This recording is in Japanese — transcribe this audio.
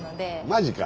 マジか。